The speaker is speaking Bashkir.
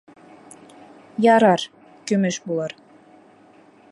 — Ярар, көмөш булыр.